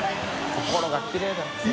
心がきれいだ。